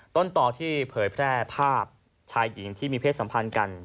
ต้นต่อที่เผยแพร่ภาพชายหญิงที่มีเพศสัมพันธ์กัน